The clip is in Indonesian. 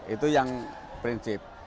itu yang prinsip